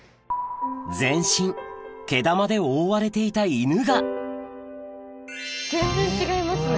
全身毛玉で覆われていた犬が全然違いますね。